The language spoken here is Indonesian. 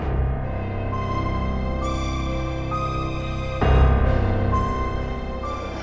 tapi gak boleh sama mama kamu